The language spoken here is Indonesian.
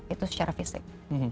itu secara fisik